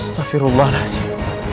sampai rumah hasil